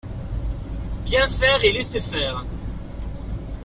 Bien faire et laisser faire